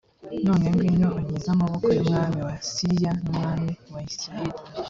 none ngwino unkize amaboko y’umwami wa siriya n’umwami wa isirayeli